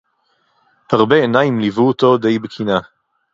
הִרְבָּה עֵינַיִים לִיוּוּ אוֹתוֹ דַי בַּקִנְאָה.